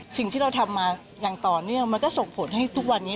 สิ่งที่เราทำมาอย่างต่อเนื่องมันก็ส่งผลให้ทุกวันนี้